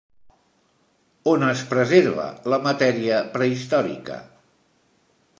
On es preserva la matèria prehistòrica?